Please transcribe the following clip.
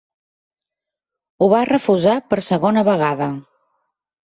Ho va refusar per segona vegada.